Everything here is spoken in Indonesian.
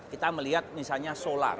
kita melihat misalnya solar